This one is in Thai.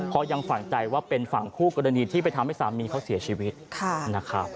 เพราะยังฝังใจว่าเป็นฝั่งคู่กรณีที่ไปทำให้สามีเขาเสียชีวิตนะครับ